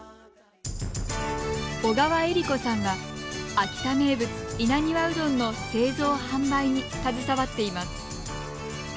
小川選子さんは秋田名物・稲庭うどんの製造販売に携わっています。